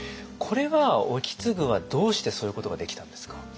これは意次はどうしてそういうことができたんですか？